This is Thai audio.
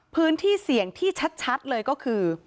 พื้นที่เสี่ยงที่ชัดเลยก็คือ